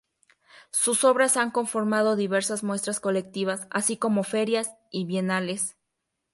Sus obras han conformado diversas muestras colectivas así como ferias y bienales.